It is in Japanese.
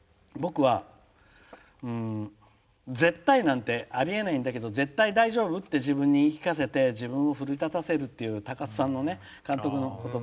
最近では、やっぱり僕は絶対なんてありえないんだけど絶対大丈夫って自分に言い聞かせて自分を奮い立たせる高津監督のことば。